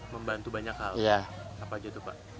membantu banyak hal apa aja itu pak